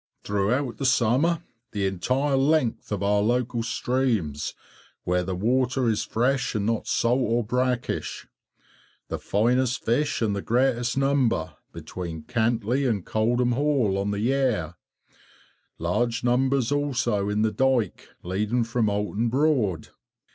Throughout the summer the entire length of our local streams where the water is fresh and not salt or brackish; the finest fish and greatest number between Cantley and Coldham Hall, on the Yare; large numbers also in the dyke leading from Oulton Broad.